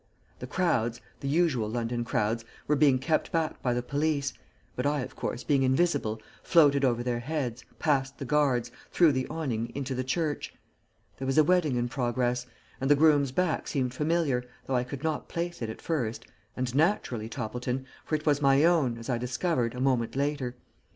The crowds, the usual London crowds, were being kept back by the police, but I, of course, being invisible, floated over their heads, past the guards, through the awning into the church. There was a wedding in progress, and the groom's back seemed familiar, though I could not place it at first, and naturally, Toppleton, for it was my own, as I discovered, a moment later.